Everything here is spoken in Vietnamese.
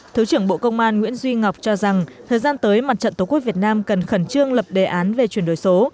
thứ trưởng bộ công an nguyễn duy ngọc cho rằng thời gian tới mặt trận tổ quốc việt nam cần khẩn trương lập đề án về chuyển đổi số